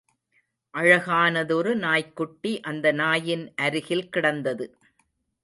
அழகானதொரு நாய்க்குட்டி அந்த நாயின் அருகில் கிடந்தது.